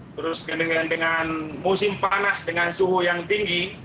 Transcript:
terus dengan musim panas dengan suhu yang tinggi